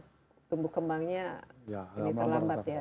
jadi tumbuh kembangnya ini terlambat ya